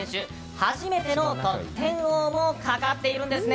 初めての得点王もかかっているんですね！